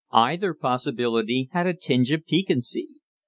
Either possibility had a tinge of piquancy.